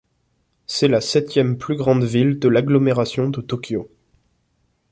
C'est la septième plus grande ville de l'agglomération de Tokyo.